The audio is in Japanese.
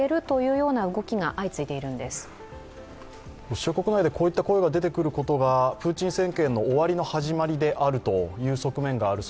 ロシア国内でこういった声が出てくることがプーチン政権の終わりの始まりであるという側面がある。